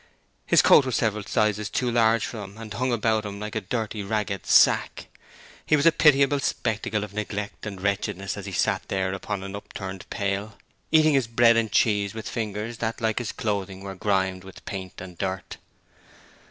His coat was several sizes too large for him and hung about him like a dirty ragged sack. He was a pitiable spectacle of neglect and wretchedness as he sat there on an upturned pail, eating his bread and cheese with fingers that, like his clothing, were grimed with paint and dirt.